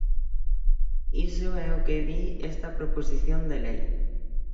Iso é o que di esta proposición de lei.